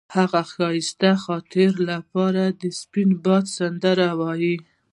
هغې د ښایسته خاطرو لپاره د سپین باد سندره ویله.